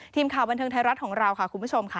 ทีมข่าวบันเทิงไทยรัฐของเราค่ะคุณผู้ชมค่ะ